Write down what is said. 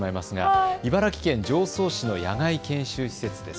茨城県常総市の野外研修施設です。